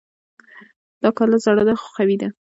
دا کلا زړه ده خو قوي ده